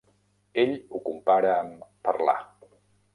Ell ho compara amb "parlar".